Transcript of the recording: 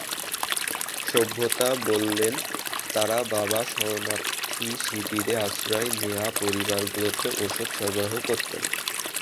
সভ্যতা বললেন, তাঁরা বাবা শরণার্থীশিবিরে আশ্রয় নেওয়া পরিবারগুলোতে ওষুধ সরবরাহ করতেন।